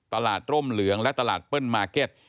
ร่มเหลืองและตลาดเปิ้ลมาร์เก็ต